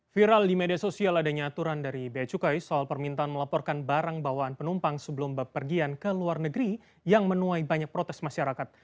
viral di media sosial adanya aturan dari biaya cukai soal permintaan melaporkan barang bawaan penumpang sebelum bepergian ke luar negeri yang menuai banyak protes masyarakat